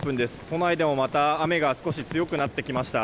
都内でもまた雨が少し強くなってきました。